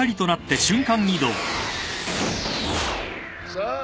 さあ